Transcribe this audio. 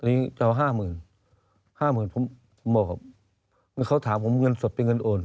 อันนี้จะเอาห้าหมื่นห้าหมื่นผมบอกเมื่อเขาถามผมเงินสดเป็นเงินโอน